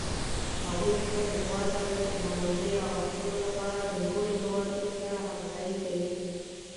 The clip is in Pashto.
هغوی خپل هیواد ته د تکنالوژۍ راوستلو لپاره د نورو هیوادونو سره همکاري کوي